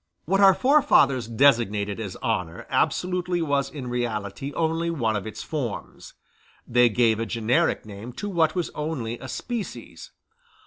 What our forefathers designated as honor absolutely was in reality only one of its forms; they gave a generic name to what was only a species.